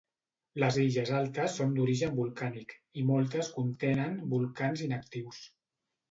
Les illes altes són d'origen volcànic, i moltes contenen volcans inactius.